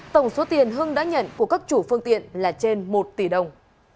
tổng số tiền hưng đã nhận của các chủ phương tiện là trên một tỷ đồng